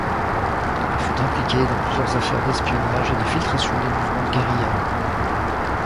Elle fut impliquée dans plusieurs affaires d'espionnages et d'infiltration des mouvements de guérilla.